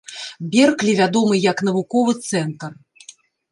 Берклі вядомы як навуковы цэнтр.